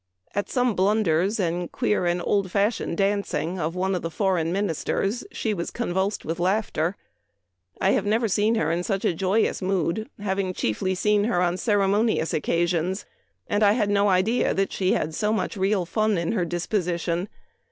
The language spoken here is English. At some blunders and queer and old fashioned dancing of one of the foreign ministers she was convulsed with laughter. " I have never seen her in such a joyous mood, having chiefly seen her on ceremonious occasions, and had no idea that she had so much real fun in her disposition.